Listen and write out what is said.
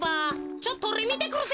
ちょっとおれみてくるぜ。